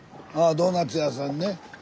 ドーナツ屋さんにね。